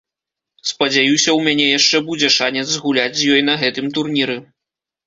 Спадзяюся, у мяне яшчэ будзе шанец згуляць з ёй на гэтым турніры.